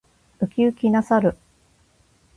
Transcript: ウキウキな猿。